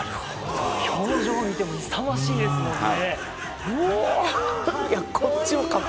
表情を見ても勇ましいですもんね。